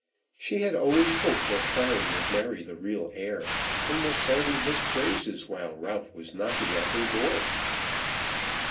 She had always hoped that Clary would marry the real heir, and was sounding his praises while Ralph was knocking at her door.